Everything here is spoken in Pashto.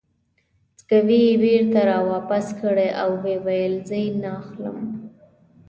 سکوې یې بېرته را واپس کړې او ویې ویل: زه یې نه اخلم.